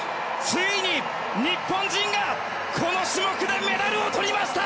ついに日本人がこの種目でメダルをとりました！